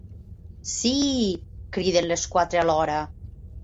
Síííí! —criden les quatre alhora.